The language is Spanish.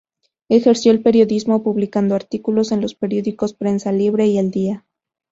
Ejerció el periodismo, publicando artículos en los periódicos Prensa Libre y El Día.